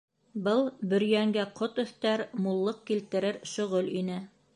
Был Бөрйәнгә ҡот өҫтәр, муллыҡ килтерер шөғөл ине.